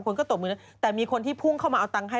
คนก็ตบมือนะแต่มีคนที่พุ่งเข้ามาเอาตังค์ให้